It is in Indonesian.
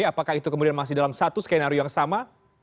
apakah itu kemudian masih dalam satu skenario yang sama